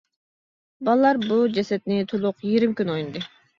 بالىلار بۇ جەسەتنى تولۇق يېرىم كۈن ئوينىدى.